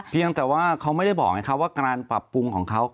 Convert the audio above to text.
เพียงแต่ว่าเขาไม่ได้บอกไงครับว่าการปรับปรุงของเขา